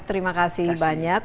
terima kasih banyak